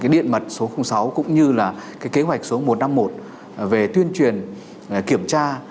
điện mật số sáu cũng như là kế hoạch số một trăm năm mươi một về tuyên truyền kiểm tra